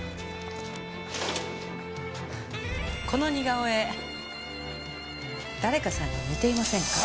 この似顔絵誰かさんに似ていませんか？